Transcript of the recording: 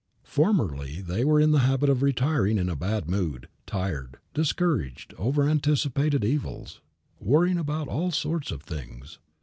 Formerly they were in the habit of retiring in a bad mood, tired, discouraged over anticipated evils, worrying about all sorts of things.